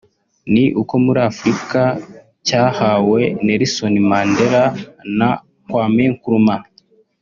ni uko muri Afurika cyahawe Nelson Mandela na Kwame Nkrumah